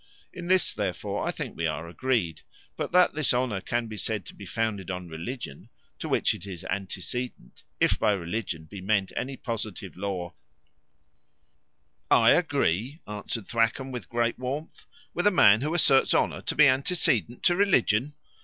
In this, therefore, I think we are agreed; but that this honour can be said to be founded on religion, to which it is antecedent, if by religion be meant any positive law " "I agree," answered Thwackum, with great warmth, "with a man who asserts honour to be antecedent to religion!